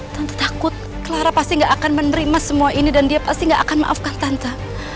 takut clara pasti gak akan menerima semua ini dan dia pasti gak akan maafkan tantha